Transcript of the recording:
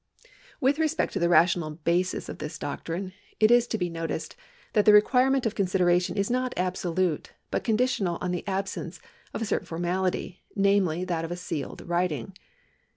With respect to the rational basis of this doctrine, it is to be noticed that the requirement of consideration is not abso lute, but conditional on the absence of a certain formality, namely that of a sealed writing.